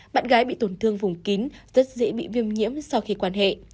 bạn gái bị tổn thương vùng kín rất dễ bị viêm nhiễm sau khi quan hệ